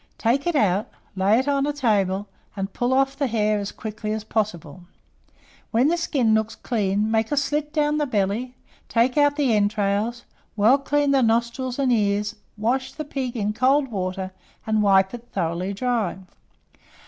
Take it out, lay it on a table, and pull off the hair as quickly as possible. When the skin looks clean, make a slit down the belly, take out the entrails, well clean the nostrils and ears, wash the pig in cold water, and wipe it thoroughly dry.